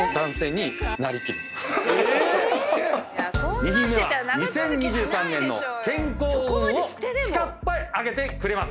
２品目は２０２３年の健康運をちかっぱ上げてくれます！